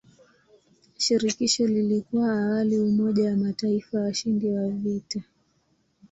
Shirikisho lilikuwa awali umoja wa mataifa washindi wa vita.